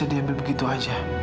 yang bisa diambil begitu aja